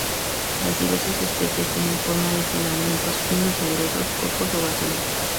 Las diversas especies tienen forma de filamentos finos o gruesos, cocos o bacilos.